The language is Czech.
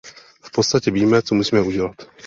V podstatě víme, co musíme udělat.